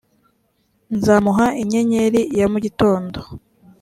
nzamuha inyenyeri ya mu gitondo